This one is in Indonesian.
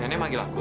nenek manggil aku